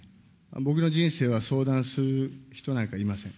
僕の人生は相談する人なんかいません。